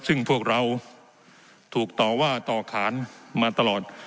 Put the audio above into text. ซึ่งพวกเราถูกต่อว่าต่อขานมาตลอด